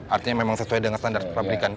artinya memang sesuai dengan standar pabrikan